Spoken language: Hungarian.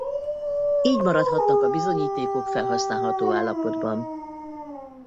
Így maradhatnak a bizonyítékok felhasználható állapotban.